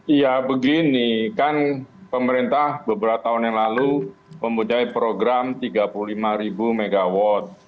iya begini kan pemerintah beberapa tahun yang lalu memudai program tiga puluh lima ribu megawatt